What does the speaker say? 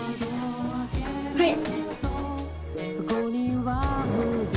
はい！